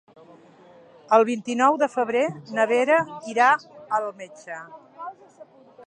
El vint-i-nou de febrer na Vera irà al metge.